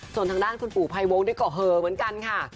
ส่วนทางด้านคุณปู่ไพวงด้วยก็เฮอเหมือนกันค่ะ